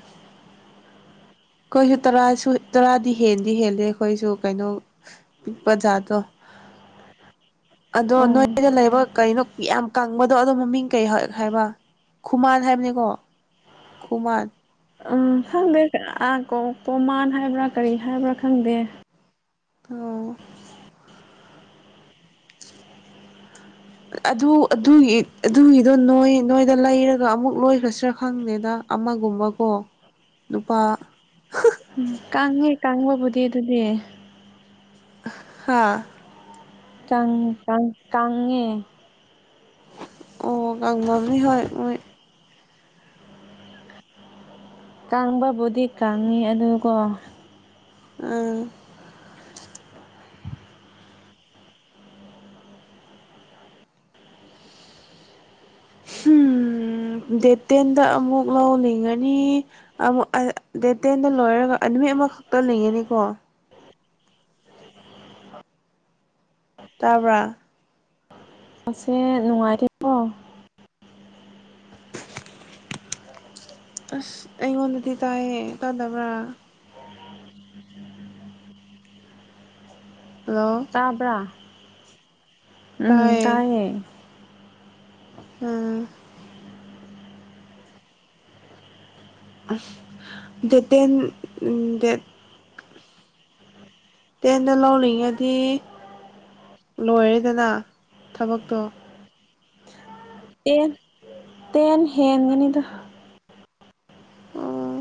ꯈꯣꯏꯁꯨ ꯇꯔꯥꯁꯨ ꯇꯔꯥꯗꯤ ꯍꯦꯟꯗꯤ ꯍꯦꯜꯂꯦ ꯑꯩꯈꯣꯏꯁꯨ ꯀꯩꯅꯣ ꯄꯤꯛꯄ ꯖꯥꯗꯣ ꯑꯗꯣ ꯑꯣ ꯅꯣꯏ ꯗ ꯂꯩꯕ ꯀꯩꯅꯣ ꯌꯥꯝ ꯀꯪꯕꯗꯣ ꯑꯗꯨꯣ ꯃꯃꯤꯡ ꯀꯩ ꯍꯥꯏ ꯍꯥꯏꯕ ꯈꯨꯃꯥꯟ ꯍꯥꯏꯕꯅꯤꯀꯣ ꯈꯨꯃꯥꯟ ꯑ ꯈꯪꯗꯦ ꯑꯥ ꯀꯣ ꯀꯣꯃꯥꯟ ꯍꯥꯏꯕ꯭ꯔꯥ ꯀꯔꯤ ꯍꯥꯏꯕ꯭ꯔꯥ ꯈꯪꯗꯦ ꯑꯧ ꯑꯗꯨ ꯑꯗꯨꯒꯤ ꯑꯗꯨꯒꯤꯗꯣ ꯅꯣꯏ ꯅꯣꯏꯗ ꯂꯩꯔꯒ ꯑꯃꯨꯛ ꯂꯣꯏꯈ꯭ꯔꯥꯁꯤ꯭ꯔꯥ ꯈꯪꯗꯦꯗ ꯑꯃꯒꯨꯝꯕꯀꯣ ꯅꯨꯄꯥ ꯀꯥꯡꯉꯦ ꯀꯥꯡꯕꯕꯨꯗꯤ ꯑꯗꯨꯗꯤ ꯍꯥꯥ ꯀꯪ ꯀꯪ ꯀꯪꯉꯦ ꯑꯣ ꯀꯪꯉꯝꯅꯤ ꯍꯣꯏ ꯃꯣꯏ ꯀꯥꯡꯕꯕꯨꯗꯤ ꯀꯪꯉꯦ ꯑꯗꯨꯀꯣ ꯑꯥ ꯍꯨꯝ ꯗꯦꯠ ꯇꯦꯟꯗ ꯑꯃꯨꯛ ꯂꯧꯅꯤꯡꯉꯅꯤ ꯑꯃꯨꯛ ꯑꯩ ꯗꯦꯠ ꯇꯦꯟꯗ ꯂꯣꯏꯔꯒ ꯑꯥ ꯅꯨꯃꯤꯠ ꯑꯃꯈꯛꯇ ꯂꯩꯒꯅꯤꯀꯣ ꯇꯥꯕ꯭ꯔ ꯑꯁꯦ ꯅꯨꯡꯉꯥꯏꯇꯦꯀꯣ ꯑꯁ ꯑꯩꯉꯣꯟꯗꯗꯤ ꯇꯥꯏꯌꯦ ꯇꯗꯕ꯭ꯔꯥ [unintelligible] ꯍꯂꯣ ꯇꯥꯕ꯭ꯔꯥ ꯎꯝ ꯇꯥꯏꯌꯦ ꯎꯝ ꯗꯦ ꯇꯦꯟ ꯗꯦꯠ ꯇꯦꯟꯗ ꯂꯧꯅꯤꯡꯉꯗꯤ ꯂꯣꯏꯔꯦꯗꯅ ꯊꯕꯛꯇꯣ ꯇꯦꯟ ꯇꯦꯟ ꯍꯦꯟꯒꯅꯤꯗ ꯑꯣ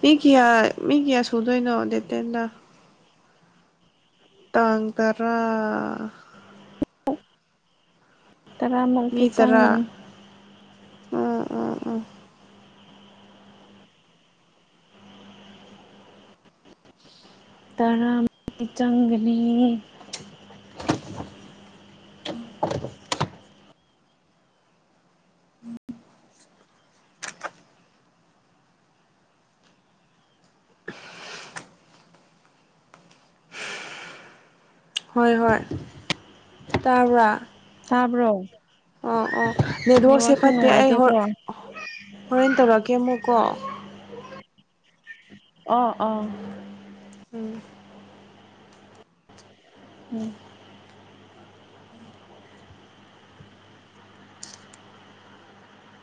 ꯃꯤ ꯀꯌꯥ ꯃꯤ ꯀꯌꯥ ꯁꯨꯗꯣꯏꯅꯣ ꯗꯦꯇꯦꯟꯟꯅ ꯇꯥꯡ ꯇꯔ ꯇꯔꯥꯝ ꯃꯔꯛꯇꯤ ꯃꯤ ꯇꯔꯥ ꯆꯪꯒꯅꯤ ꯎꯝ ꯎꯝ ꯎꯝ ꯇꯔꯥꯃ ꯆꯪꯒꯅꯤ ꯍꯣꯏ ꯍꯣꯏ ꯇꯕꯥ ꯍꯥꯥꯕ꯭ꯔꯣ ꯑꯣ ꯑꯣ ꯅꯦꯠꯋꯥꯛꯁꯦ ꯐꯠꯇꯦ ꯑꯩ ꯍ ꯅꯨꯡꯉꯥꯏꯇꯦꯀꯣ ꯍꯣꯔꯦꯟ ꯇꯧꯔꯛꯀꯦ ꯑꯃꯨꯛꯀꯣ ꯑꯣ ꯑ ꯎꯝ ꯎꯝ